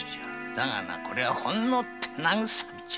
だがなこれはほんの手慰みじゃ。